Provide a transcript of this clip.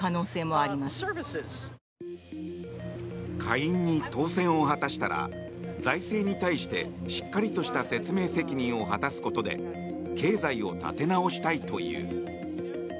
下院に当選を果たしたら財政に対してしっかりとした説明責任を果たすことで経済を立て直したいという。